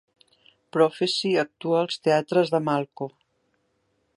Prophecy actua als teatres de Malco